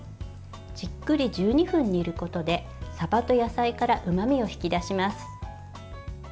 じっくり１２分煮ることでさばと野菜からうまみを引き出します。